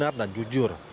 benar dan jujur